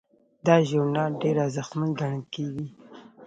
دا ژورنال ډیر ارزښتمن ګڼل کیږي.